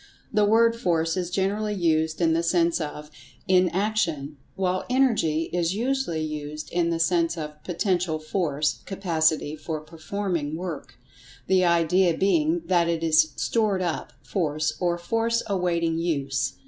The word "Force" is generally used in the sense of "in action," while "Energy" is usually used in the sense of "Potential Force—capacity for performing work," the idea being that it is "stored up" force, or "force awaiting use."